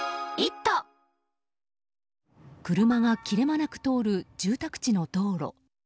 車が切れ間なく通る住宅地の道路。